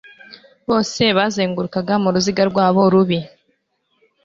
Bose bazengurukaga muruziga rwabo rubi